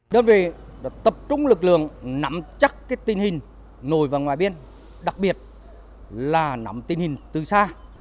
đơn vị đã tập trung lực lượng nắm chắc tình hình nổi vào ngoài biên đặc biệt là nắm tình hình từ xa